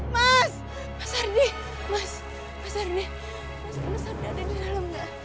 mas mas ardi mas mas ardi mas ardi ada di dalam gak